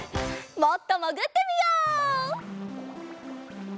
もっともぐってみよう！